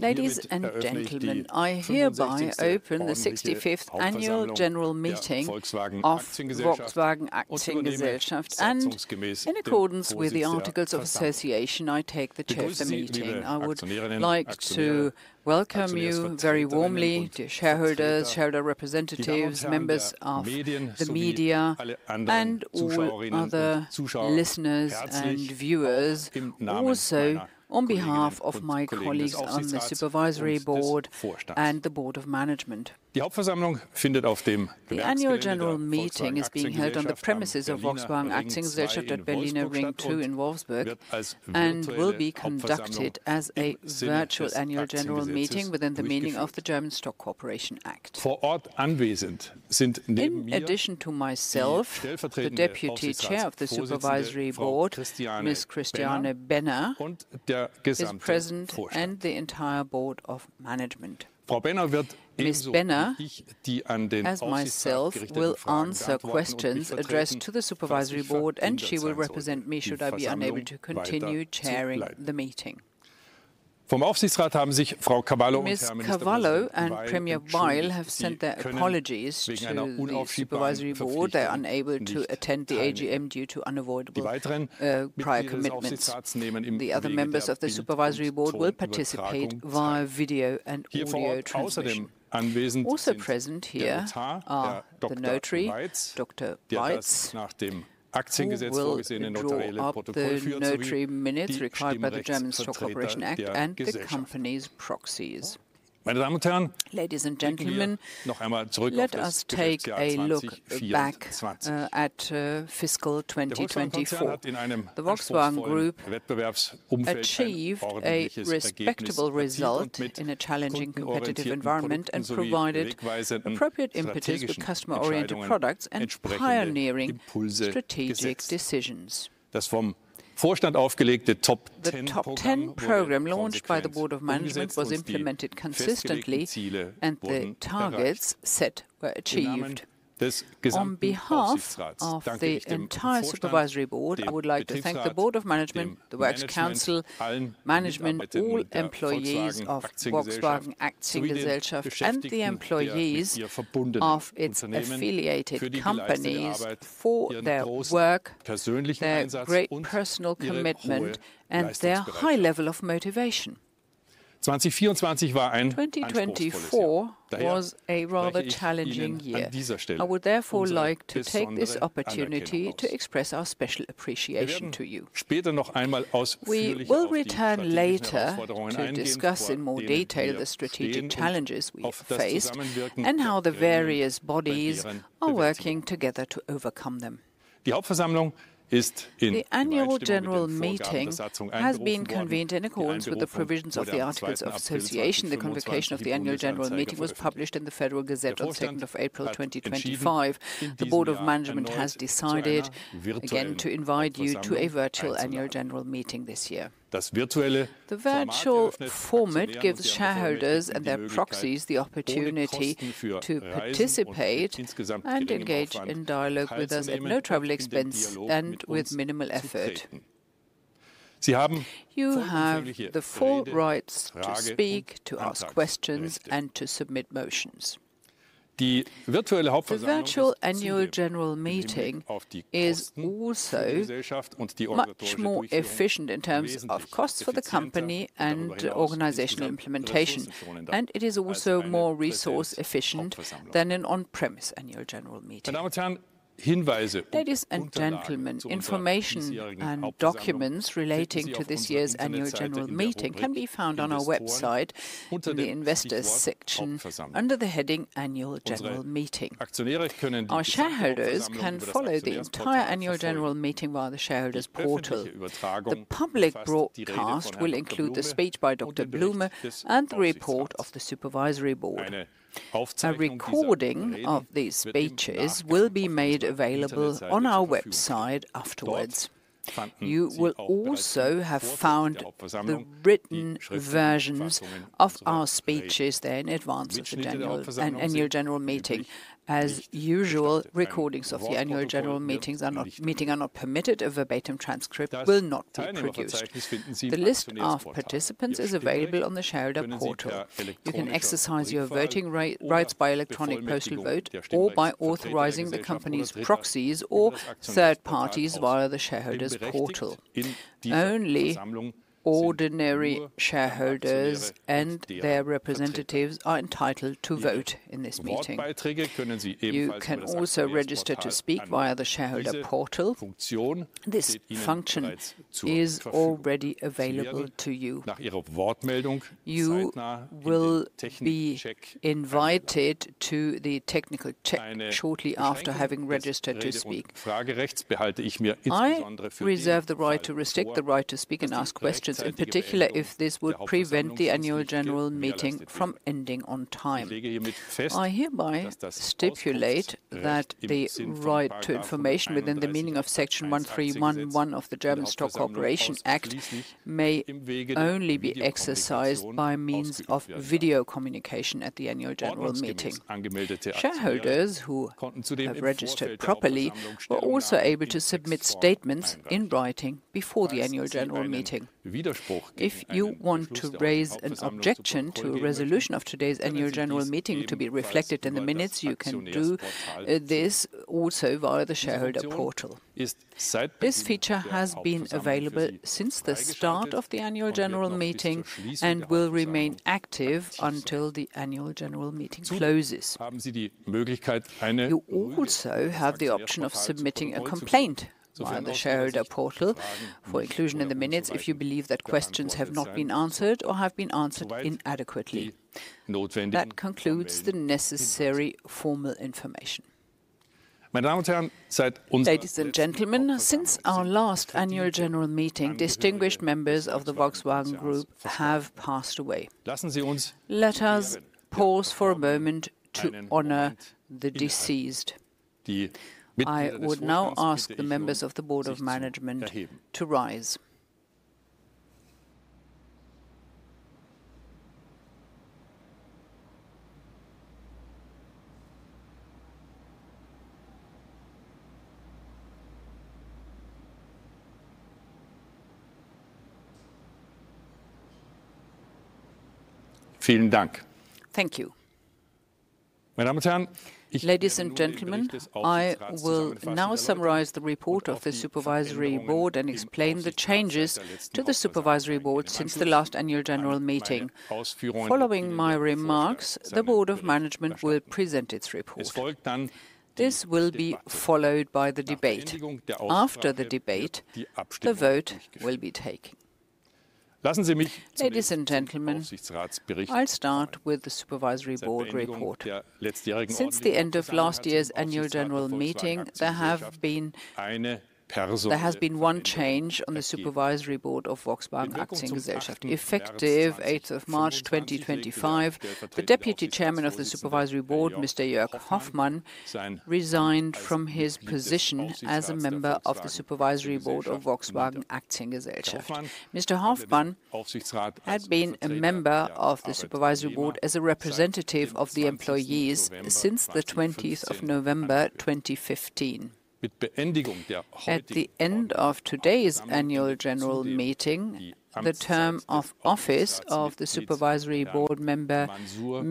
Ladies and gentlemen, I hereby open the 65th Annual General Meeting of Volkswagen AG, and in accordance with the Articles of Association, I take the chair of the meeting. I would like to welcome you very warmly, dear shareholders, shareholder representatives, members of the media, and all other listeners and viewers, also on behalf of my colleagues on the Supervisory Board and the Board of Management. Die Hauptversammlung findet auf dem. The Annual General Meeting is being held on the premises of Volkswagen AG at Berliner Ring 2 in Wolfsburg and will be conducted as a virtual Annual General Meeting within the meaning of the German Stock Corporation Act. In addition to myself, the Deputy Chair of the Supervisory Board, Miss Christiane Benner, is present, and the entire Board of Management. Miss Benner, as myself, will answer questions addressed to the Supervisory Board, and she will represent me should I be unable to continue chairing the meeting. Frau Kaballow and Premier Weil have sent their apologies to the Supervisory Board. They are unable to attend the AGM due to unavoidable prior commitments. The other members of the Supervisory Board will participate via video and audio transcripts. Also present here are the Notary, Dr. Weitz, who will uphold the Notary Minutes required by the German Stock Corporation Act and the company's proxies. Ladies and gentlemen, let us take a look back at fiscal 2024. The Volkswagen Group achieved a respectable result in a challenging competitive environment and provided appropriate impetus to customer-oriented products and pioneering strategic decisions. The Top 10 Program launched by the Board of Management was implemented consistently, and the targets set were achieved. On behalf of the entire Supervisory Board, I would like to thank the Board of Management, the Works Council, management, all employees of Volkswagen AG, and the employees of its affiliated companies for their work, their great personal commitment, and their high level of motivation. 2024 was a rather challenging year. I would therefore like to take this opportunity to express our special appreciation to you. We will return later to discuss in more detail the strategic challenges we have faced and how the various bodies are working together to overcome them. The Annual General Meeting has been convened in accordance with the provisions of the Articles of Association. The convocation of the Annual General Meeting was published in the Federal Gazette on 2 April, 2025. The Board of Management has decided again to invite you to a virtual Annual General Meeting this year. The virtual format gives shareholders and their proxies the opportunity to participate and engage in dialogue with us at no travel expense and with minimal effort. You have the full rights to speak, to ask questions, and to submit motions. The virtual Annual General Meeting is also much more efficient in terms of costs for the company and organizational implementation, and it is also more resource-efficient than an on-premise Annual General Meeting. Ladies and gentlemen, information and documents relating to this year's Annual General Meeting can be found on our website in the Investors section under the heading Annual General Meeting. Our shareholders can follow the entire Annual General Meeting via the shareholders' portal. The public broadcast will include the speech by Dr. Blume and the report of the Supervisory Board. A recording of these speeches will be made available on our website afterwards. You will also have found the written versions of our speeches there in advance of the Annual General Meeting. As usual, recordings of the Annual General Meeting are not permitted. A verbatim transcript will not be produced. The list of participants is available on the shareholder portal. You can exercise your voting rights by electronic postal vote or by authorizing the company's proxies or third parties via the shareholders' portal. Only ordinary shareholders and their representatives are entitled to vote in this meeting. You can also register to speak via the shareholder portal. This function is already available to you. You will be invited to the technical check shortly after having registered to speak. I reserve the right to restrict the right to speak and ask questions, in particular if this would prevent the Annual General Meeting from ending on time. I hereby stipulate that the right to information within the meaning of Section 1311 of the German Stock Corporation Act may only be exercised by means of video communication at the Annual General Meeting. Shareholders who have registered properly were also able to submit statements in writing before the Annual General Meeting. If you want to raise an objection to a resolution of today's Annual General Meeting to be reflected in the minutes, you can do this also via the shareholder portal. This feature has been available since the start of the Annual General Meeting and will remain active until the Annual General Meeting closes. You also have the option of submitting a complaint via the shareholder portal for inclusion in the minutes if you believe that questions have not been answered or have been answered inadequately. That concludes the necessary formal information. Ladies and gentlemen, since our last Annual General Meeting, distinguished members of the Volkswagen Group have passed away. Let us pause for a moment to honor the deceased. I would now ask the members of the Board of Management to rise. Ladies and gentlemen, I will now summarize the report of the Supervisory Board and explain the changes to the Supervisory Board since the last Annual General Meeting. Following my remarks, the Board of Management will present its report. This will be followed by the debate. After the debate, the vote will be taken. Ladies and gentlemen, I'll start with the Supervisory Board report. Since the end of last year's Annual General Meeting, there has been one change on the Supervisory Board of Volkswagen AG. Effective 8 March, 2025, the Deputy Chairman of the Supervisory Board, Mr. Jörg Hofmann resigned from his position as a member of the Supervisory Board of Volkswagen AG. Mr. Hofmann had been a member of the Supervisory Board as a representative of the employees since 20 November, 2015. At the end of today's Annual General Meeting, the term of office of the Supervisory Board member,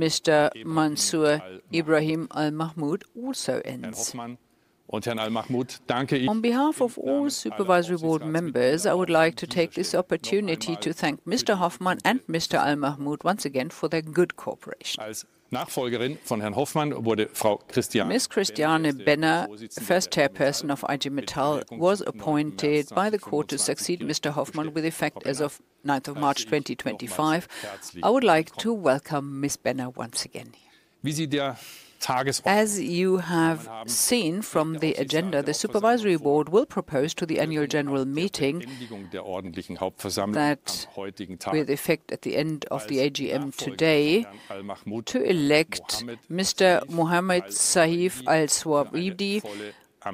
Mr. Mansour Ibrahim Al-Mahmoud, also ends. On behalf of all Supervisory Board members, I would like to take this opportunity to thank Mr. Hofmann and Mr. Al-Mahmoud once again for their good cooperation. Miss Christiane Benner, the first chairperson of IG Metall, was appointed by the court to succeed Mr. Hofmann with effect as of 9 March, 2025. I would like to welcome Miss Benner once again. As you have seen from the agenda, the Supervisory Board will propose to the Annual General Meeting that, with effect at the end of the AGM today, to elect Mr. Mohammed Sahif Al-Suwaidy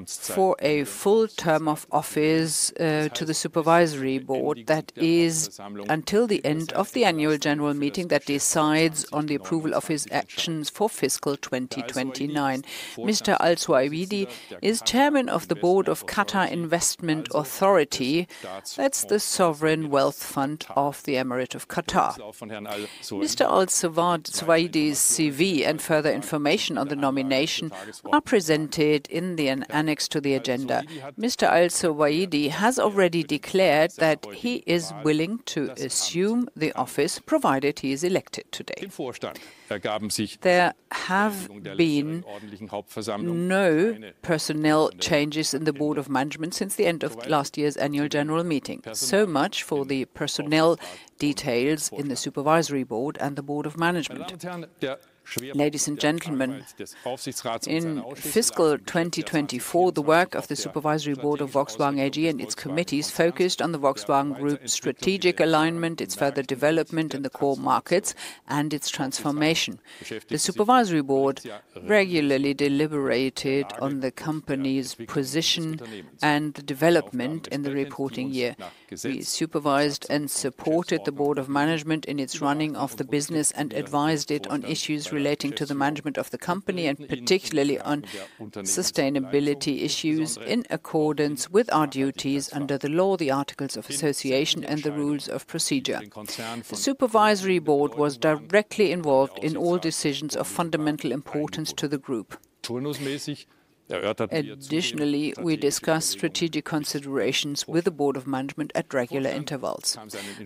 for a full term of office to the Supervisory Board that is until the end of the Annual General Meeting that decides on the approval of his actions for fiscal 2029. Mr. Al-Suwaidy is Chairman of the Board of Qatar Investment Authority. That's the sovereign wealth fund of the Emirate of Qatar. Mr. Al-Suwaidy's CV and further information on the nomination are presented in the annex to the agenda. Mr. Al-Suwaidy has already declared that he is willing to assume the office provided he is elected today. There have been no personnel changes in the Board of Management since the end of last year's Annual General Meeting. So much for the personnel details in the Supervisory Board and the Board of Management. Ladies and gentlemen, in fiscal 2024, the work of the Supervisory Board of Volkswagen AG and its committees focused on the Volkswagen Group's strategic alignment, its further development in the core markets, and its transformation. The Supervisory Board regularly deliberated on the company's position and development in the reporting year. We supervised and supported the Board of Management in its running of the business and advised it on issues relating to the management of the company and particularly on sustainability issues in accordance with our duties under the law, the Articles of Association, and the rules of procedure. The Supervisory Board was directly involved in all decisions of fundamental importance to the group. Additionally, we discussed strategic considerations with the Board of Management at regular intervals.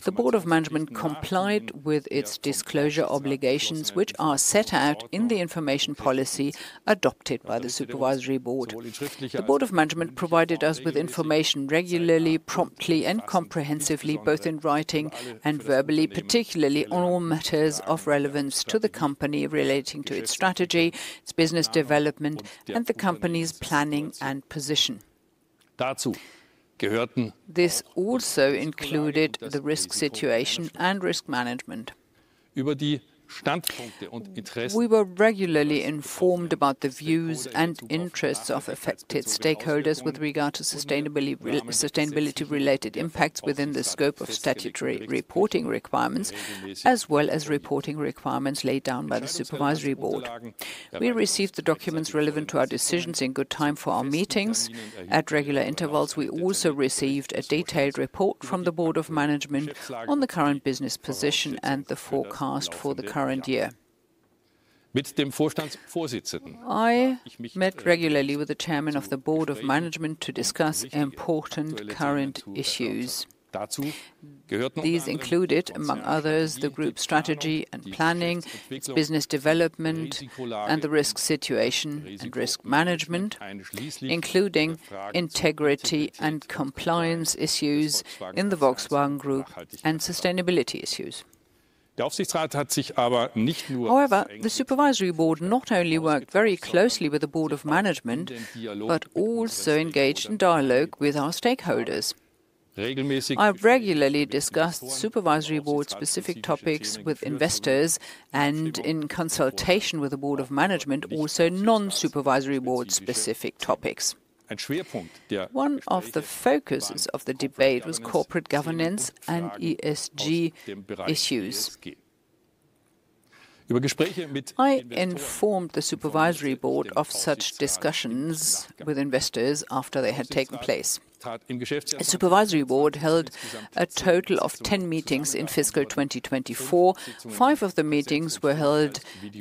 The Board of Management complied with its disclosure obligations, which are set out in the information policy adopted by the Supervisory Board. The Board of Management provided us with information regularly, promptly, and comprehensively, both in writing and verbally, particularly on all matters of relevance to the company relating to its strategy, its business development, and the company's planning and position. This also included the risk situation and risk management. We were regularly informed about the views and interests of affected stakeholders with regard to sustainability-related impacts within the scope of statutory reporting requirements, as well as reporting requirements laid down by the Supervisory Board. We received the documents relevant to our decisions in good time for our meetings. At regular intervals, we also received a detailed report from the Board of Management on the current business position and the forecast for the current year. I met regularly with the Chairman of the Board of Management to discuss important current issues. These included, among others, the Group's strategy and planning, its business development, and the risk situation and risk management, including integrity and compliance issues in the Volkswagen Group and sustainability issues. However, the Supervisory Board not only worked very closely with the Board of Management, but also engaged in dialogue with our stakeholders. I regularly discussed Supervisory Board-specific topics with investors and, in consultation with the Board of Management, also non-Supervisory Board-specific topics. One of the focuses of the debate was corporate governance and ESG issues. I informed the Supervisory Board of such discussions with investors after they had taken place. The Supervisory Board held a total of 10 meetings in fiscal 2024. Five of the meetings were held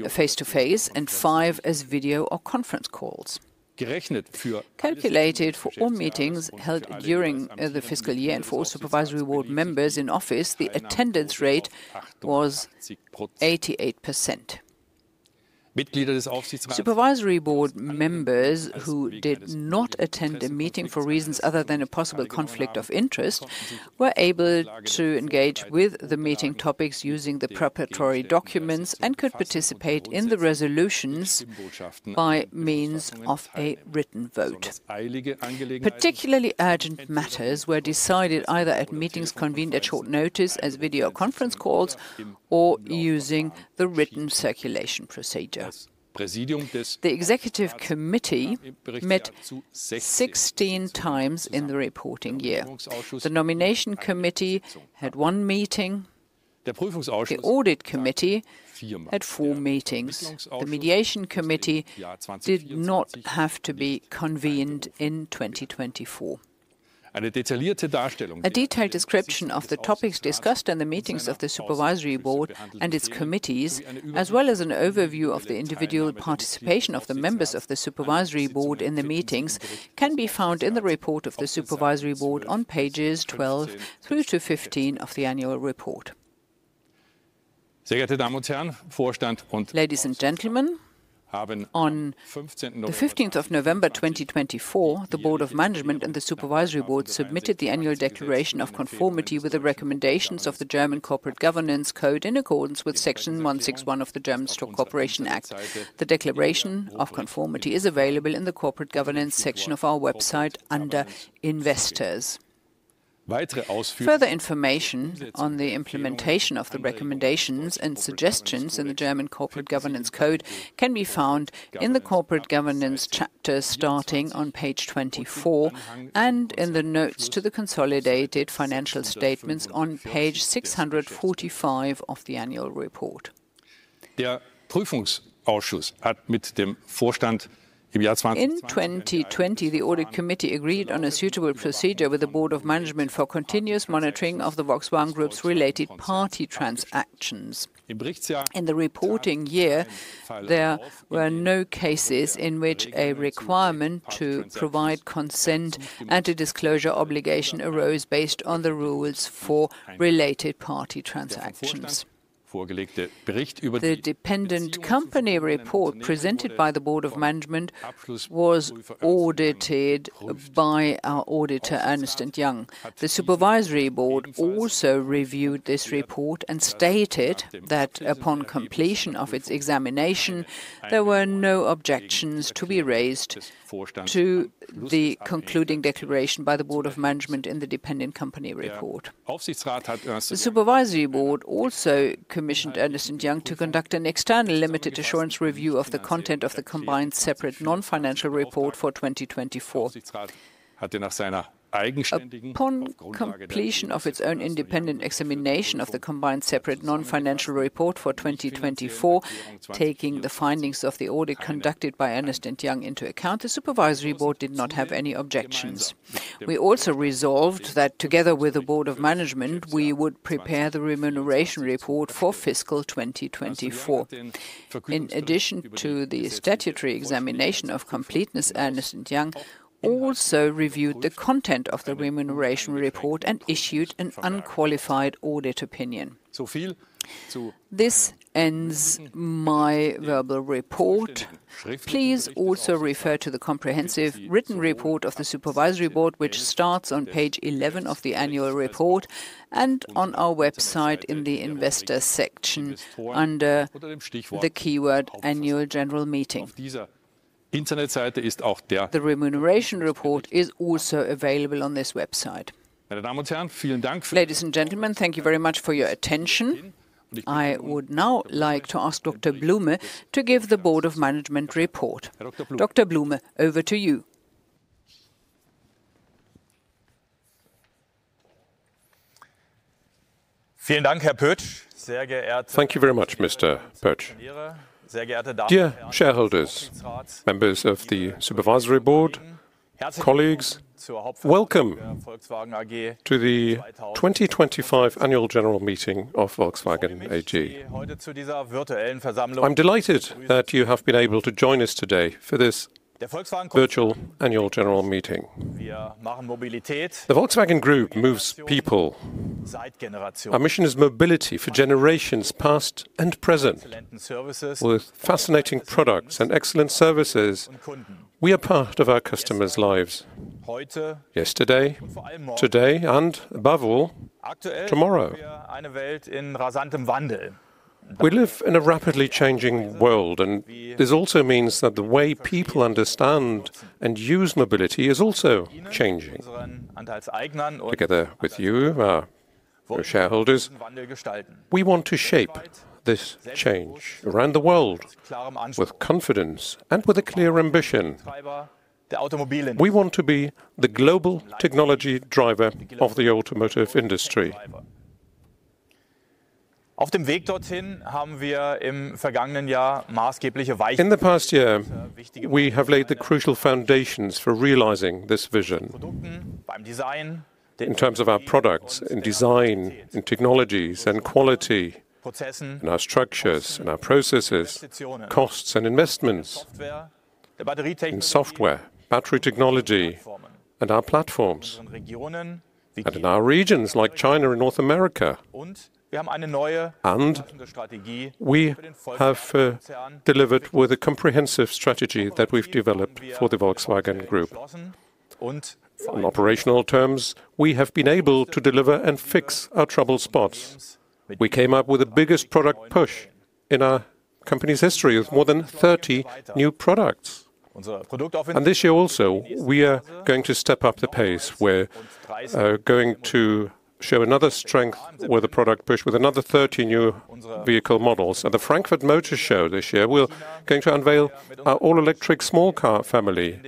face-to-face and five as video or conference calls. Calculated for all meetings held during the fiscal year and for all Supervisory Board members in office, the attendance rate was 88%. Supervisory Board members who did not attend a meeting for reasons other than a possible conflict of interest were able to engage with the meeting topics using the preparatory documents and could participate in the resolutions by means of a written vote. Particularly urgent matters were decided either at meetings convened at short notice as video conference calls or using the written circulation procedure. The Executive Committee met 16 times in the reporting year. The Nomination Committee had one meeting. The Audit Committee had four meetings. The Mediation Committee did not have to be convened in 2024. A detailed description of the topics discussed in the meetings of the Supervisory Board and its committees, as well as an overview of the individual participation of the members of the Supervisory Board in the meetings, can be found in the report of the Supervisory Board on pages 12 through to 15 of the annual report. Ladies and gentlemen, on the 15th of November 2024, the Board of Management and the Supervisory Board submitted the annual declaration of conformity with the recommendations of the German Corporate Governance Code in accordance with Section 161 of the German Stock Corporation Act. The declaration of conformity is available in the Corporate Governance section of our website under Investors. Further information on the implementation of the recommendations and suggestions in the German Corporate Governance Code can be found in the Corporate Governance chapter starting on page 24 and in the notes to the consolidated financial statements on page 645 of the annual report. In 2020, the Audit Committee agreed on a suitable procedure with the Board of Management for continuous monitoring of the Volkswagen Group's related party transactions. In the reporting year, there were no cases in which a requirement to provide consent and a disclosure obligation arose based on the rules for related party transactions. The dependent company report presented by the Board of Management was audited by our auditor, Ernst & Young. The Supervisory Board also reviewed this report and stated that upon completion of its examination, there were no objections to be raised to the concluding declaration by the Board of Management in the dependent company report. The Supervisory Board also commissioned Ernst & Young to conduct an external limited assurance review of the content of the combined separate non-financial report for 2024. Upon completion of its own independent examination of the combined separate non-financial report for 2024, taking the findings of the audit conducted by Ernst & Young into account, the Supervisory Board did not have any objections. We also resolved that together with the Board of Management, we would prepare the remuneration report for fiscal 2024. In addition to the statutory examination of completeness, Ernst & Young also reviewed the content of the remuneration report and issued an unqualified audit opinion. This ends my verbal report. Please also refer to the comprehensive written report of the Supervisory Board, which starts on page 11 of the annual report and on our website in the investor section under the keyword Annual General Meeting. The remuneration report is also available on this website. Ladies and gentlemen, thank you very much for your attention. I would now like to ask Dr. Blume to give the Board of Management report. Dr. Blume, over to you. Thank you very much, Mr. Pötsch. Dear shareholders, members of the Supervisory Board, colleagues, welcome to the 2025 Annual General Meeting of Volkswagen AG. I'm delighted that you have been able to join us today for this virtual Annual General Meeting. The Volkswagen Group moves people. Our mission is mobility for generations past and present, with fascinating products and excellent services. We are part of our customers' lives, yesterday, today, and above all, tomorrow. We live in a rapidly changing world, and this also means that the way people understand and use mobility is also changing. Together with you, our shareholders, we want to shape this change around the world with confidence and with a clear ambition. We want to be the global technology driver of the automotive industry. In the past year, we have laid the crucial foundations for realizing this vision. In terms of our products and design and technologies and quality in our structures and our processes, costs and investments in software, battery technology, and our platforms, and in our regions like China and North America, and we have delivered with a comprehensive strategy that we've developed for the Volkswagen Group. In operational terms, we have been able to deliver and fix our trouble spots. We came up with the biggest product push in our company's history with more than 30 new products. This year also, we are going to step up the pace. We are going to show another strength with a product push with another 30 new vehicle models. At the Frankfurt Motor Show this year, we are going to unveil our all-electric small car family.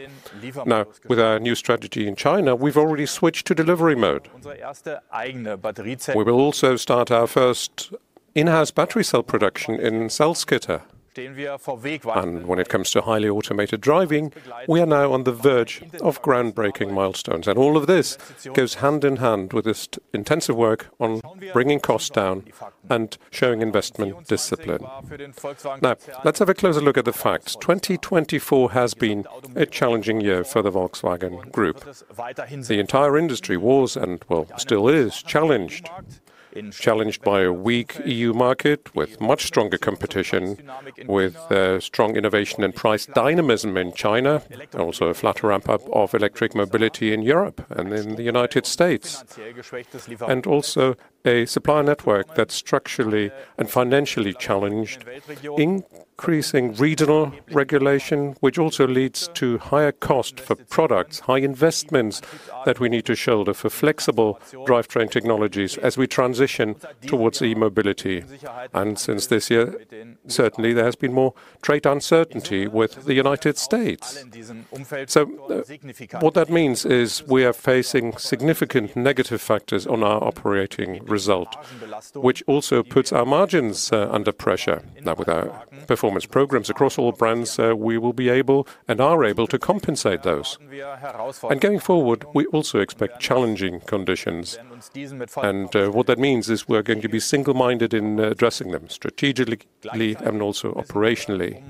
Now, with our new strategy in China, we have already switched to delivery mode. We will also start our first in-house battery cell production in Salzgitter. When it comes to highly automated driving, we are now on the verge of groundbreaking milestones. All of this goes hand in hand with this intensive work on bringing costs down and showing investment discipline. Now, let's have a closer look at the facts. 2024 has been a challenging year for the Volkswagen Group. The entire industry was and will still be challenged, challenged by a weak EU market with much stronger competition, with strong innovation and price dynamism in China, also a flatter ramp-up of electric mobility in Europe and in the United States, and also a supply network that is structurally and financially challenged, increasing regional regulation, which also leads to higher costs for products, high investments that we need to shoulder for flexible drivetrain technologies as we transition towards e-mobility. Since this year, certainly, there has been more trade uncertainty with the United States. What that means is we are facing significant negative factors on our operating result, which also puts our margins under pressure. Now, with our performance programs across all brands, we will be able and are able to compensate those. Going forward, we also expect challenging conditions. What that means is we're going to be single-minded in addressing them strategically and also operationally.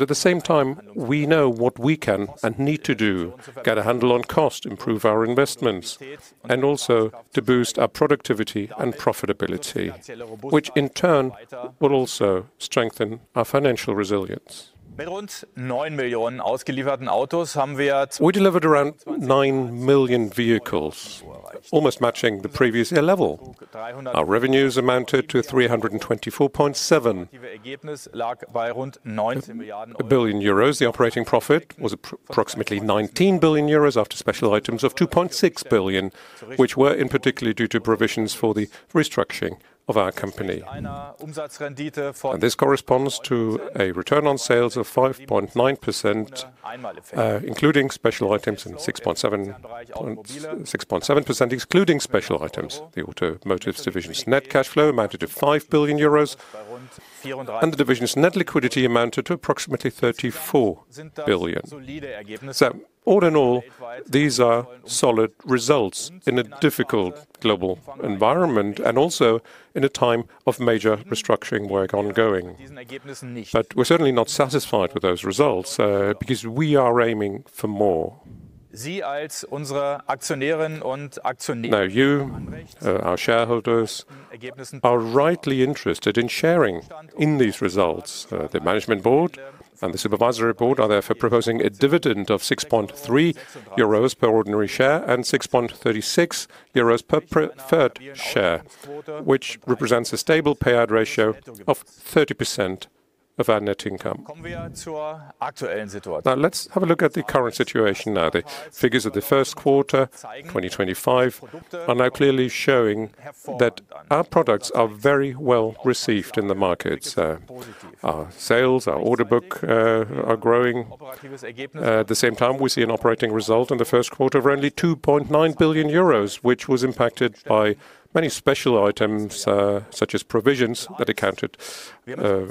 At the same time, we know what we can and need to do, get a handle on costs, improve our investments, and also to boost our productivity and profitability, which in turn will also strengthen our financial resilience. We delivered around 9 million vehicles, almost matching the previous year level. Our revenues amounted to 324.7 billion euros. The operating profit was approximately 19 billion euros after special items of 2.6 billion, which were in particular due to provisions for the restructuring of our company. This corresponds to a return on sales of 5.9%, including special items, and 6.7%, excluding special items. The automotive division's net cash flow amounted to 5 billion euros, and the division's net liquidity amounted to approximately 34 billion. All in all, these are solid results in a difficult global environment and also in a time of major restructuring work ongoing. We are certainly not satisfied with those results because we are aiming for more. Now, you, our shareholders, are rightly interested in sharing in these results. The Management Board and the Supervisory Board are therefore proposing a dividend of 6.3 euros per ordinary share and 6.36 euros per preferred share, which represents a stable payout ratio of 30% of our net income. Now, let's have a look at the current situation. The figures of the first quarter 2025 are now clearly showing that our products are very well received in the markets. Our sales, our order book are growing. At the same time, we see an operating result in the first quarter of only 2.9 billion euros, which was impacted by many special items such as provisions that accounted to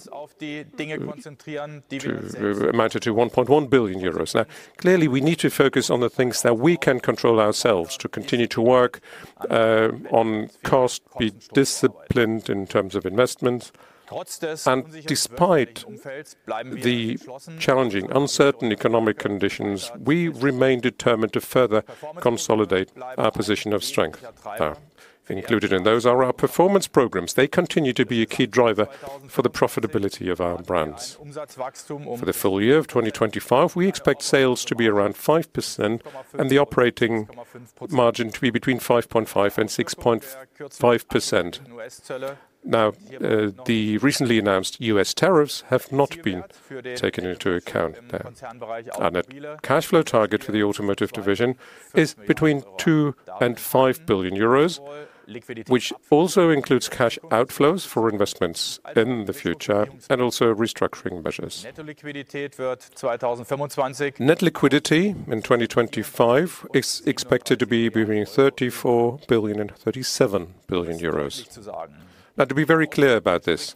amount to 1.1 billion euros. Now, clearly, we need to focus on the things that we can control ourselves to continue to work on cost, be disciplined in terms of investments. Despite the challenging, uncertain economic conditions, we remain determined to further consolidate our position of strength. Included in those are our performance programs. They continue to be a key driver for the profitability of our brands. For the full year of 2025, we expect sales to be around 5% and the operating margin to be between 5.5% and 6.5%. Now, the recently announced U.S. tariffs have not been taken into account there. The cash flow target for the automotive division is between 2 billion and 5 billion euros, which also includes cash outflows for investments in the future and also restructuring measures. Net liquidity in 2025 is expected to be between 34 billion and 37 billion euros. To be very clear about this,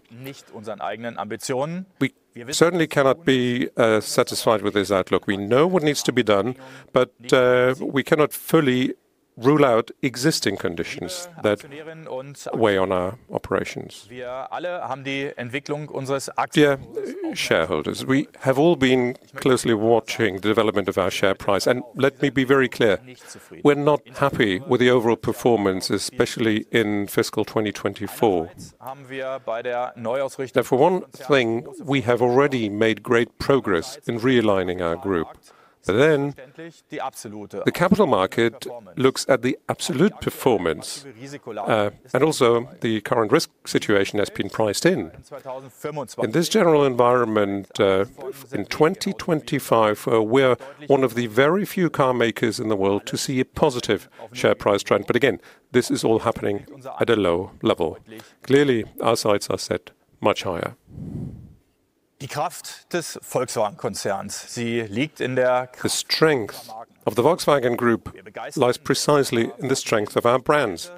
we certainly cannot be satisfied with this outlook. We know what needs to be done, but we cannot fully rule out existing conditions that weigh on our operations. Dear shareholders, we have all been closely watching the development of our share price. Let me be very clear, we're not happy with the overall performance, especially in fiscal 2024. For one thing, we have already made great progress in realigning our group. The capital market looks at the absolute performance and also the current risk situation that's been priced in. In this general environment, in 2025, we're one of the very few car makers in the world to see a positive share price trend. Again, this is all happening at a low level. Clearly, our sights are set much higher. The strength of the Volkswagen Group lies precisely in the strength of our brands.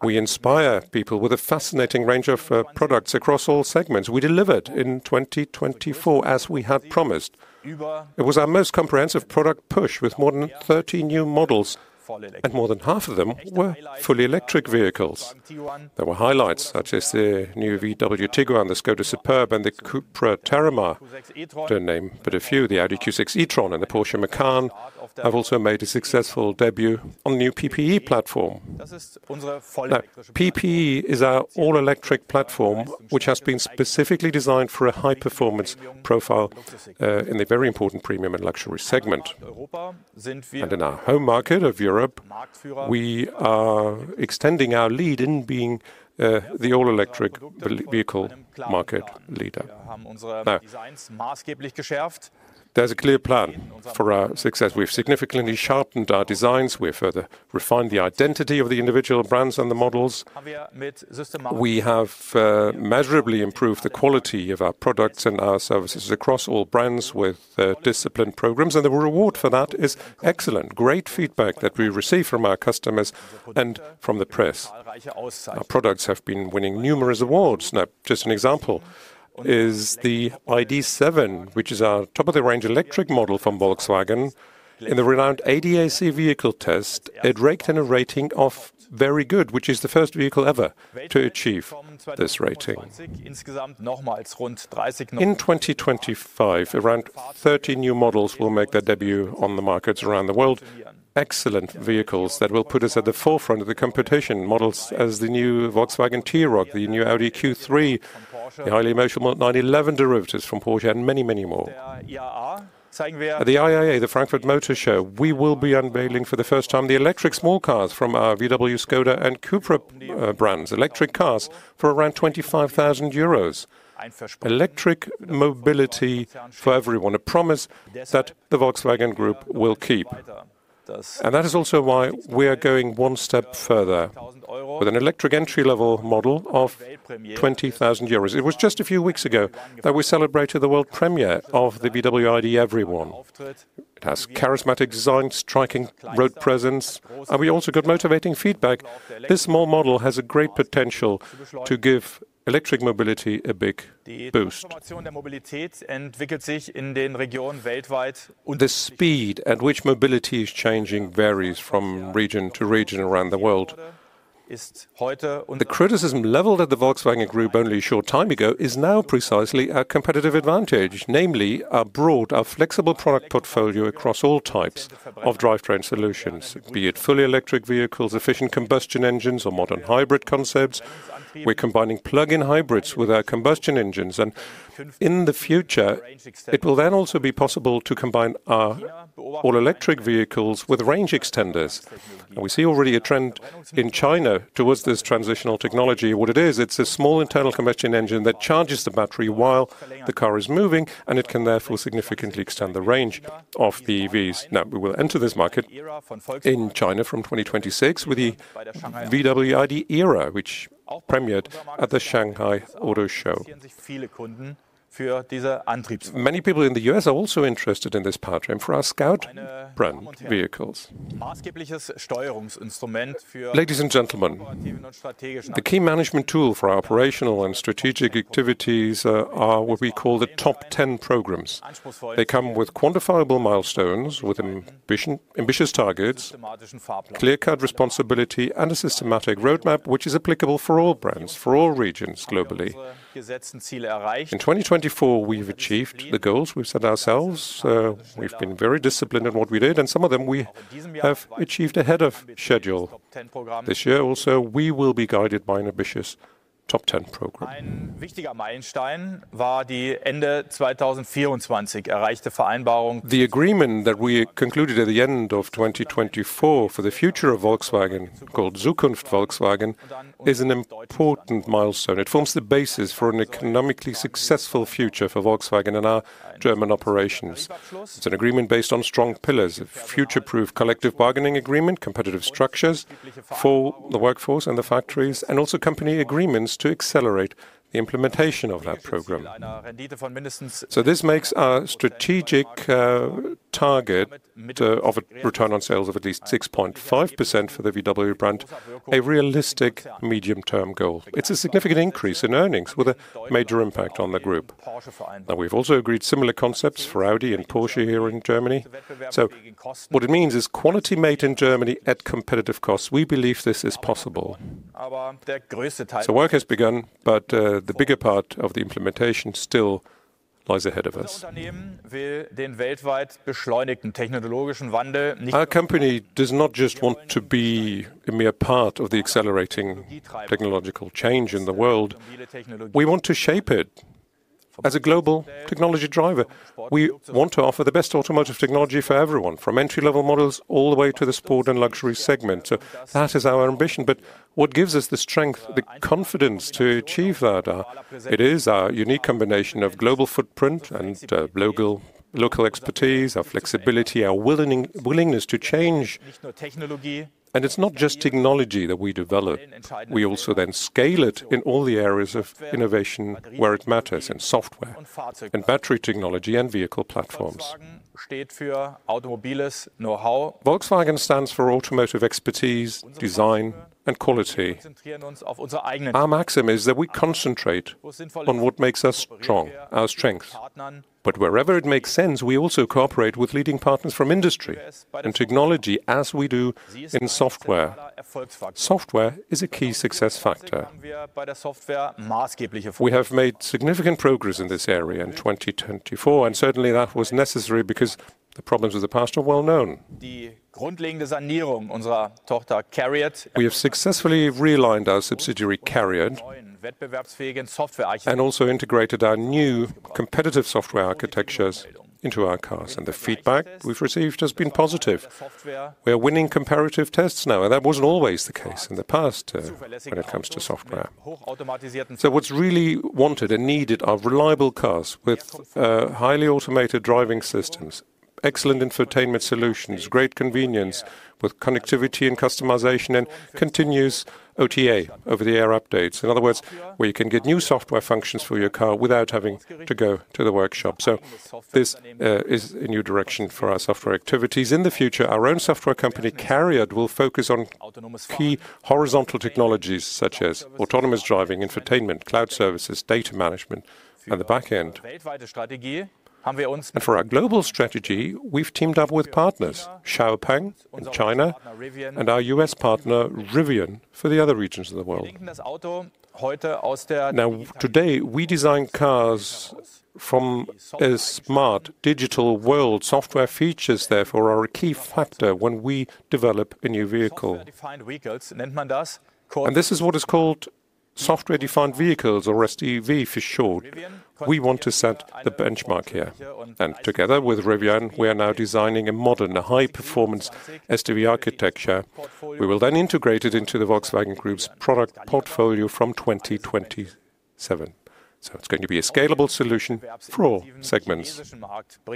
We inspire people with a fascinating range of products across all segments. We delivered in 2024, as we had promised. It was our most comprehensive product push with more than 30 new models, and more than half of them were fully electric vehicles. There were highlights such as the new Volkswagen Tiguan, the Škoda Superb, and the Cupra Terramar, to name but a few. The Audi Q6 e-tron and the Porsche Macan have also made a successful debut on the new PPE platform. PPE is our all-electric platform, which has been specifically designed for a high-performance profile in the very important premium and luxury segment. In our home market of Europe, we are extending our lead in being the all-electric vehicle market leader. There is a clear plan for our success. We have significantly sharpened our designs. We have further refined the identity of the individual brands and the models. We have measurably improved the quality of our products and our services across all brands with disciplined programs. The reward for that is excellent. Great feedback that we receive from our customers and from the press. Our products have been winning numerous awards. Just an example is the ID.7, which is our top-of-the-range electric model from Volkswagen. In the renowned ADAC vehicle test, it raked in a rating of very good, which is the first vehicle ever to achieve this rating. In 2025, around 30 new models will make their debut on the markets around the world. Excellent vehicles that will put us at the forefront of the competition. Models as the new Volkswagen T-Roc, the new Audi Q3, the highly emotional 911 derivatives from Porsche, and many, many more. At the IAA, the Frankfurt Motor Show, we will be unveiling for the first time the electric small cars from our VW, Skoda, and Cupra brands, electric cars for around 25,000 euros. Electric mobility for everyone, a promise that the Volkswagen Group will keep. That is also why we are going one step further with an electric entry-level model of 20,000 euros. It was just a few weeks ago that we celebrated the world premiere of the VW ID. Everyone has charismatic design, striking road presence, and we also got motivating feedback. This small model has great potential to give electric mobility a big boost. The speed at which mobility is changing varies from region to region around the world. The criticism leveled at the Volkswagen Group only a short time ago is now precisely our competitive advantage, namely our broad, our flexible product portfolio across all types of drivetrain solutions, be it fully electric vehicles, efficient combustion engines, or modern hybrid concepts. We're combining plug-in hybrids with our combustion engines. In the future, it will then also be possible to combine our all-electric vehicles with range extenders. We see already a trend in China towards this transitional technology. What it is, it's a small internal combustion engine that charges the battery while the car is moving, and it can therefore significantly extend the range of the EVs. Now, we will enter this market in China from 2026 with the VW ID era, which premiered at the Shanghai Auto Show. Many people in the U.S. are also interested in this powertrain for our Scout brand vehicles. Ladies and gentlemen, the key management tool for our operational and strategic activities are what we call the Top 10 Programs. They come with quantifiable milestones, with ambitious targets, clear-cut responsibility, and a systematic roadmap, which is applicable for all brands, for all regions globally. In 2024, we've achieved the goals we've set ourselves. We've been very disciplined in what we did, and some of them we have achieved ahead of schedule. This year also, we will be guided by an ambitious Top 10 Program. The agreement that we concluded at the end of 2024 for the future of Volkswagen, called Zukunft Volkswagen, is an important milestone. It forms the basis for an economically successful future for Volkswagen and our German operations. It's an agreement based on strong pillars: a future-proof collective bargaining agreement, competitive structures for the workforce and the factories, and also company agreements to accelerate the implementation of that program. This makes our strategic target of a return on sales of at least 6.5% for the VW brand a realistic medium-term goal. It's a significant increase in earnings with a major impact on the group. We have also agreed similar concepts for Audi and Porsche here in Germany. What it means is quality made in Germany at competitive costs. We believe this is possible. Work has begun, but the bigger part of the implementation still lies ahead of us. Our company does not just want to be a mere part of the accelerating technological change in the world. We want to shape it as a global technology driver. We want to offer the best automotive technology for everyone, from entry-level models all the way to the sport and luxury segment. That is our ambition. What gives us the strength, the confidence to achieve that? It is our unique combination of global footprint and local expertise, our flexibility, our willingness to change. It's not just technology that we develop. We also then scale it in all the areas of innovation where it matters: in software, in battery technology, and vehicle platforms. Volkswagen stands for automotive expertise, design, and quality. Our maxim is that we concentrate on what makes us strong, our strengths. Wherever it makes sense, we also cooperate with leading partners from industry and technology, as we do in software. Software is a key success factor. We have made significant progress in this area in 2024, and certainly that was necessary because the problems of the past are well known. We have successfully realigned our subsidiary CARIAD and also integrated our new competitive software architectures into our cars. The feedback we've received has been positive. We are winning comparative tests now, and that was not always the case in the past when it comes to software. What is really wanted and needed are reliable cars with highly automated driving systems, excellent infotainment solutions, great convenience with connectivity and customization, and continuous OTA over-the-air updates. In other words, you can get new software functions for your car without having to go to the workshop. This is a new direction for our software activities. In the future, our own software company, CARIAD, will focus on key horizontal technologies such as autonomous driving, infotainment, cloud services, data management, and the backend. For our global strategy, we have teamed up with partners, XPeng in China and our U.S. partner, Rivian, for the other regions of the world. Today, we design cars from a smart digital world. Software features therefore are a key factor when we develop a new vehicle. This is what is called software-defined vehicles, or SDV for short. We want to set the benchmark here. Together with Rivian, we are now designing a modern, high-performance SDV architecture. We will then integrate it into the Volkswagen Group's product portfolio from 2027. It is going to be a scalable solution for all segments. In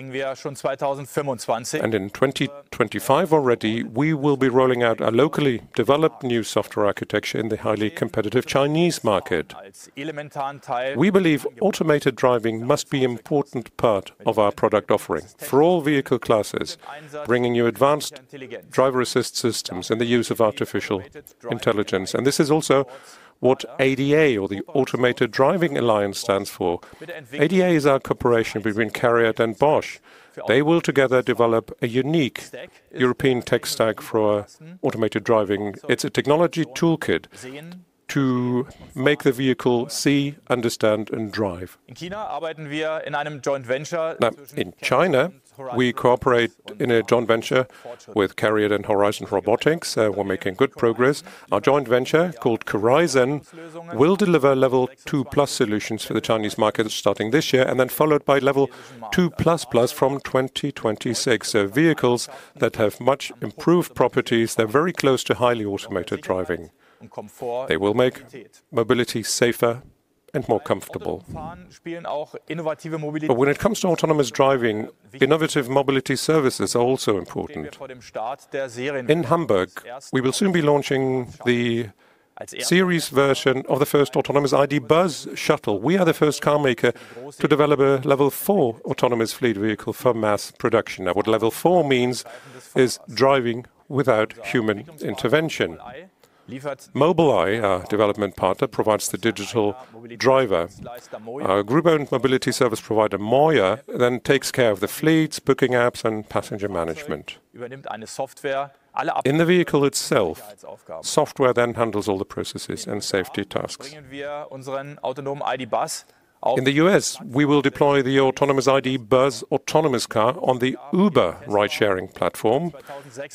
2025 already, we will be rolling out a locally developed new software architecture in the highly competitive Chinese market. We believe automated driving must be an important part of our product offering for all vehicle classes, bringing you advanced driver-assist systems and the use of artificial intelligence. This is also what ADA, or the Automated Driving Alliance, stands for. ADA is our cooperation between CARIAD and Bosch. They will together develop a unique European tech stack for automated driving. It is a technology toolkit to make the vehicle see, understand, and drive. In China, we cooperate in a joint venture with CARIAD and Horizon Robotics. We are making good progress. Our joint venture, called Corizon, will deliver level 2+ solutions for the Chinese market starting this year and then followed by level 2++ from 2026. Vehicles that have much improved properties, they are very close to highly automated driving. They will make mobility safer and more comfortable. When it comes to autonomous driving, innovative mobility services are also important. In Hamburg, we will soon be launching the series version of the first autonomous ID. Buzz shuttle. We are the first car maker to develop a level 4 autonomous fleet vehicle for mass production. What level 4 means is driving without human intervention. Mobileye, our development partner, provides the digital driver. Our group-owned mobility service provider, MOIA, then takes care of the fleets, booking apps, and passenger management. In the vehicle itself, software then handles all the processes and safety tasks. In the U.S., we will deploy the autonomous ID. Buzz autonomous car on the Uber ride-sharing platform.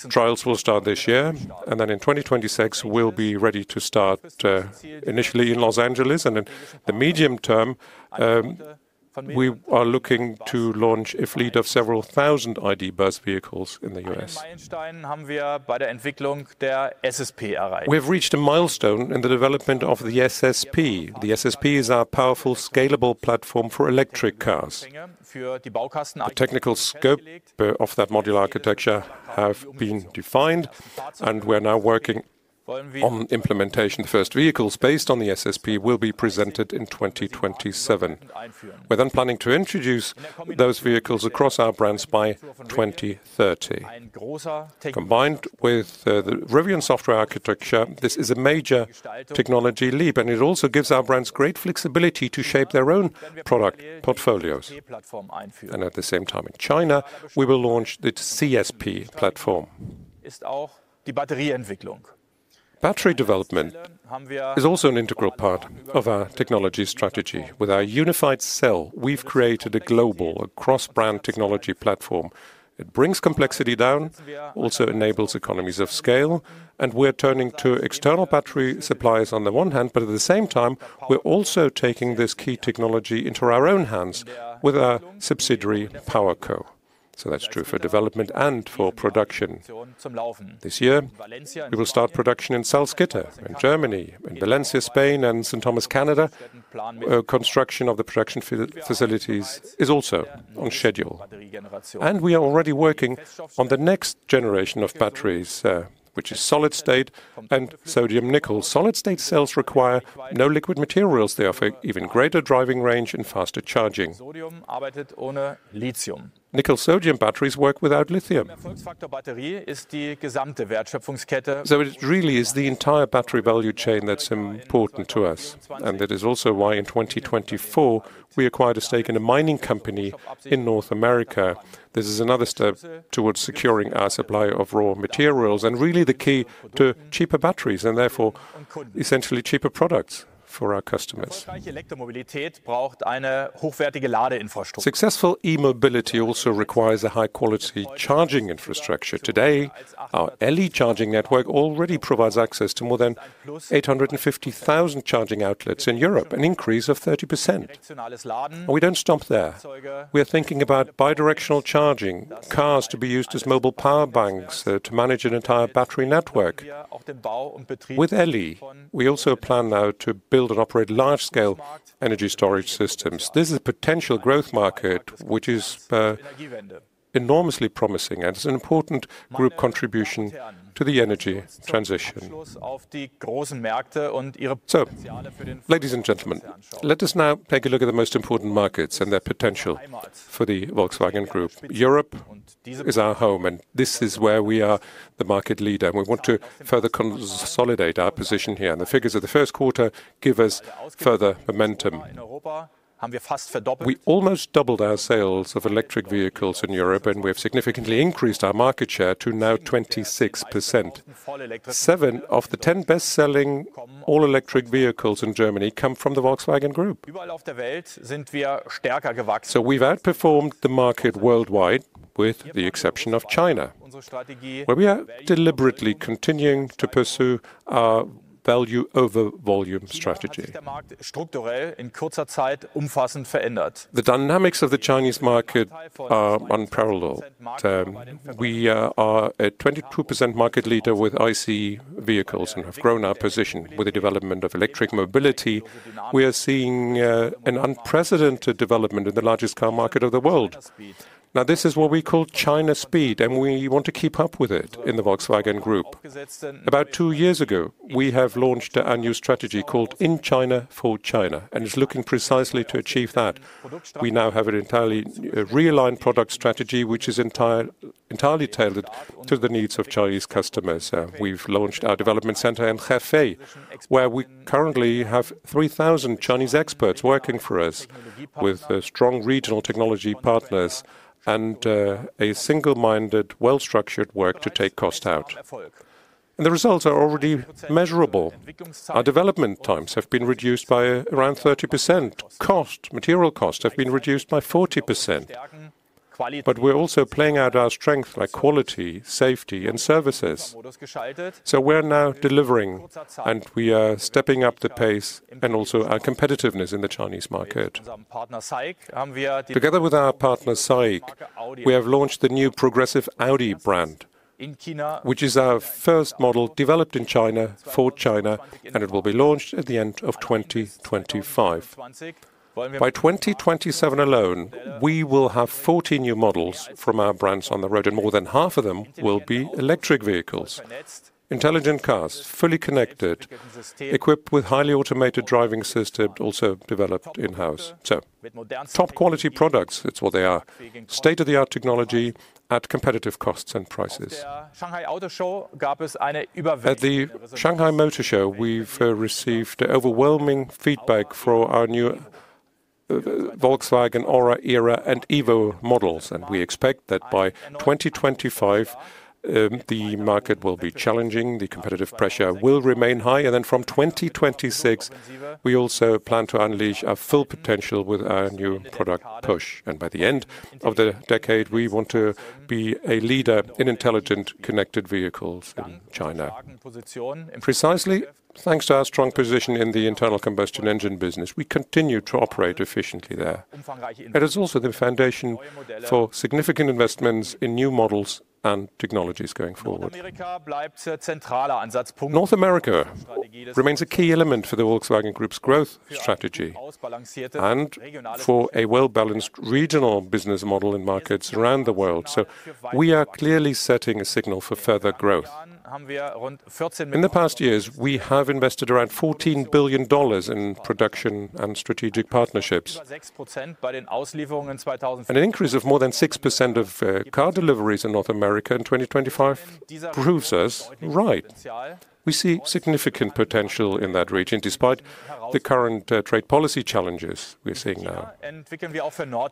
Trials will start this year, and in 2026, we'll be ready to start initially in Los Angeles. In the medium term, we are looking to launch a fleet of several thousand ID. Buzz vehicles in the U.S. We have reached a milestone in the development of the SSP. The SSP is our powerful, scalable platform for electric cars. The technical scope of that modular architecture has been defined, and we're now working on implementation. The first vehicles based on the SSP will be presented in 2027. We are then planning to introduce those vehicles across our brands by 2030. Combined with the Rivian software architecture, this is a major technology leap, and it also gives our brands great flexibility to shape their own product portfolios. At the same time, in China, we will launch the CSP platform. Battery development is also an integral part of our technology strategy. With our unified cell, we've created a global, across-brand technology platform. It brings complexity down, also enables economies of scale, and we're turning to external battery suppliers on the one hand, but at the same time, we're also taking this key technology into our own hands with our subsidiary PowerCo. That is true for development and for production. This year, we will start production in Salzgitter, in Germany, in Valencia, Spain, and St. Thomas, Canada. Construction of the production facilities is also on schedule. We are already working on the next generation of batteries, which is solid-state and sodium-nickel. Solid-state cells require no liquid materials. They offer even greater driving range and faster charging. Nickel-sodium batteries work without lithium. It really is the entire battery value chain that's important to us. That is also why in 2024, we acquired a stake in a mining company in North America. This is another step towards securing our supply of raw materials and really the key to cheaper batteries and therefore essentially cheaper products for our customers. Successful e-mobility also requires a high-quality charging infrastructure. Today, our LE charging network already provides access to more than 850,000 charging outlets in Europe, an increase of 30%. We do not stop there. We are thinking about bidirectional charging, cars to be used as mobile power banks to manage an entire battery network. With LE, we also plan now to build and operate large-scale energy storage systems. This is a potential growth market, which is enormously promising, and it is an important group contribution to the energy transition. Ladies and gentlemen, let us now take a look at the most important markets and their potential for the Volkswagen Group. Europe is our home, and this is where we are the market leader, and we want to further consolidate our position here. The figures of the first quarter give us further momentum. We almost doubled our sales of electric vehicles in Europe, and we have significantly increased our market share to now 26%. Seven of the ten best-selling all-electric vehicles in Germany come from the Volkswagen Group. We have outperformed the market worldwide with the exception of China, where we are deliberately continuing to pursue our value-over-volume strategy. The dynamics of the Chinese market are unparalleled. We are a 22% market leader with ICE vehicles and have grown our position with the development of electric mobility. We are seeing an unprecedented development in the largest car market of the world. Now, this is what we call China speed, and we want to keep up with it in the Volkswagen Group. About two years ago, we have launched our new strategy called In China for China, and it's looking precisely to achieve that. We now have an entirely realigned product strategy, which is entirely tailored to the needs of Chinese customers. We've launched our development center in Hefei, where we currently have 3,000 Chinese experts working for us with strong regional technology partners and a single-minded, well-structured work to take cost out. The results are already measurable. Our development times have been reduced by around 30%. Cost, material costs have been reduced by 40%. We're also playing out our strengths like quality, safety, and services. We are now delivering, and we are stepping up the pace and also our competitiveness in the Chinese market. Together with our partner SAIC, we have launched the new progressive Audi brand, which is our first model developed in China for China, and it will be launched at the end of 2025. By 2027 alone, we will have 40 new models from our brands on the road, and more than half of them will be electric vehicles. Intelligent cars, fully connected, equipped with highly automated driving systems, also developed in-house. Top-quality products, it's what they are. State-of-the-art technology at competitive costs and prices. At the Shanghai Motor Show, we've received overwhelming feedback for our new Volkswagen Aura, Era, and Evo models. We expect that by 2025, the market will be challenging, the competitive pressure will remain high. From 2026, we also plan to unleash our full potential with our new product push. By the end of the decade, we want to be a leader in intelligent connected vehicles in China. Precisely thanks to our strong position in the internal combustion engine business, we continue to operate efficiently there. It is also the foundation for significant investments in new models and technologies going forward. North America remains a key element for the Volkswagen Group's growth strategy and for a well-balanced regional business model in markets around the world. We are clearly setting a signal for further growth. In the past years, we have invested around $14 billion in production and strategic partnerships. An increase of more than 6% of car deliveries in North America in 2025 proves us right. We see significant potential in that region despite the current trade policy challenges we're seeing now.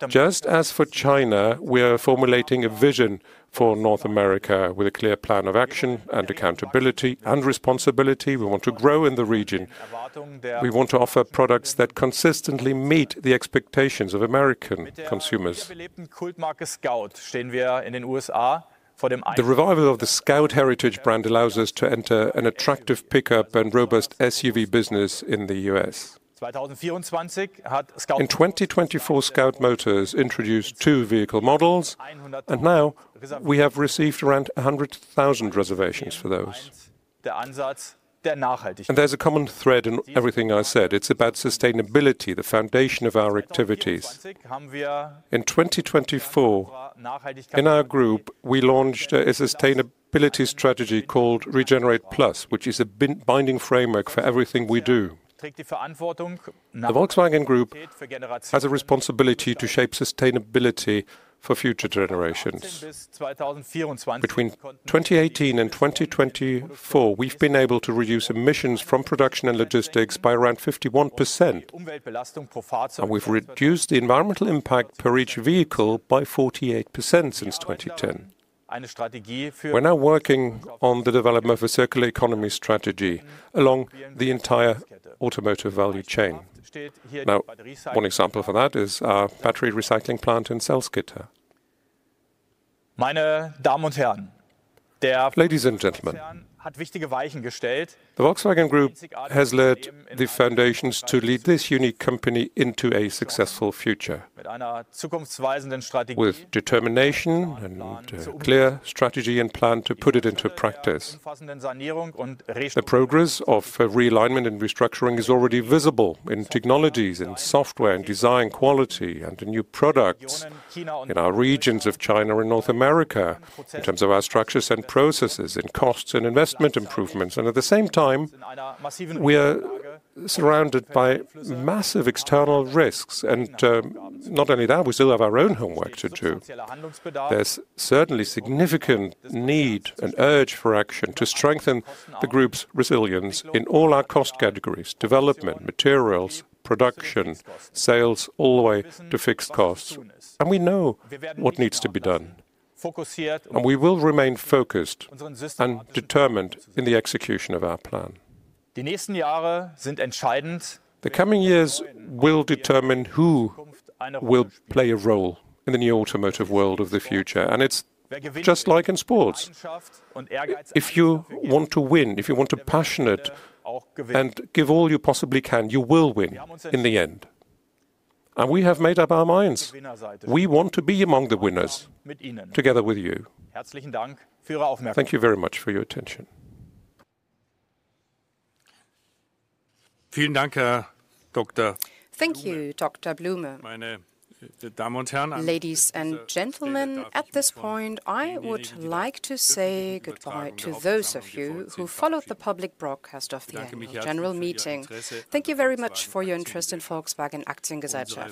Just as for China, we are formulating a vision for North America with a clear plan of action and accountability and responsibility. We want to grow in the region. We want to offer products that consistently meet the expectations of American consumers. The revival of the Scout heritage brand allows us to enter an attractive pickup and robust SUV business in the U.S. In 2024, Scout Motors introduced two vehicle models, and now we have received around 100,000 reservations for those. There is a common thread in everything I said. It is about sustainability, the foundation of our activities. In 2024, in our group, we launched a sustainability strategy called Regenerate Plus, which is a binding framework for everything we do. The Volkswagen Group has a responsibility to shape sustainability for future generations. Between 2018 and 2024, we have been able to reduce emissions from production and logistics by around 51%. We have reduced the environmental impact per each vehicle by 48% since 2010. We are now working on the development of a circular economy strategy along the entire automotive value chain. One example for that is our battery recycling plant in Salzgitter. Ladies and gentlemen, the Volkswagen Group has laid the foundations to lead this unique company into a successful future, with determination and a clear strategy and plan to put it into practice. The progress of realignment and restructuring is already visible in technologies, in software, in design quality, and in new products in our regions of China and North America, in terms of our structures and processes, in costs and investment improvements. At the same time, we are surrounded by massive external risks. Not only that, we still have our own homework to do. is certainly significant need and urge for action to strengthen the group's resilience in all our cost categories: development, materials, production, sales, all the way to fixed costs. We know what needs to be done. We will remain focused and determined in the execution of our plan. The coming years will determine who will play a role in the new automotive world of the future. It is just like in sports. If you want to win, if you want to be passionate and give all you possibly can, you will win in the end. We have made up our minds. We want to be among the winners together with you. Thank you very much for your attention. Thank you, Dr. Blume. Ladies and gentlemen, at this point, I would like to say goodbye to those of you who followed the public broadcast of the general meeting. Thank you very much for your interest in Volkswagen Aktiengesellschaft.